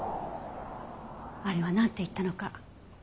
あれはなんて言ったのか。